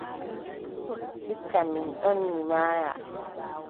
Ndikka min ɗon mi maaya.